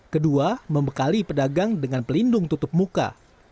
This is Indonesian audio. kedua membekali pedagang dengan pelindung tutup muka